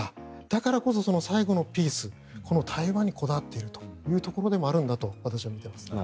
だからこそ、最後のピース台湾にこだわっているというところでもあるんだと私は見ています。